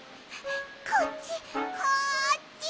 こっちこっち！